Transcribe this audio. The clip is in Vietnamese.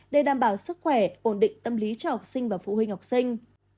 để đảm bảo sức khỏe ổn định tâm lý cho học sinh và phụ huynh học sinh